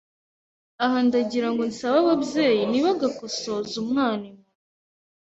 aha ndagirango nsabe ababyeyi ntibagakosoze umwana inkoni